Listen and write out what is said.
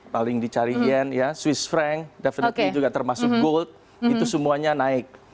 paling dicari yen ya swiss frank definitely juga termasuk gold itu semuanya naik